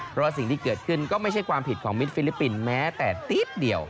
เพราะว่าสิ่งที่เกิดขึ้นก็ไม่ใช่ความผิดของมิตรฟิลิปปินส์แม้แต่ติ๊บเดียว